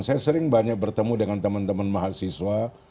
saya sering banyak bertemu dengan teman teman mahasiswa